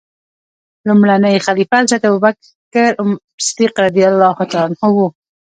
لومړنی خلیفه حضرت ابوبکر صدیق رض و.